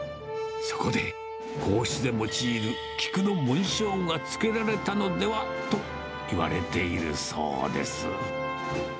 そこで、皇室で用いる菊の紋章が付けられたのではと、いわれているそうです。